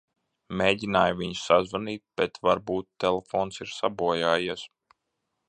Mēģināju viņu sazvanīt, bet varbūt telefons ir sabojājies.